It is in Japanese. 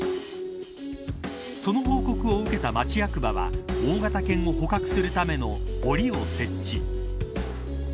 その報告を受けた町役場は大型犬を捕獲するための檻を設置。